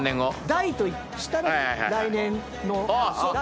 代としたら来年の代が。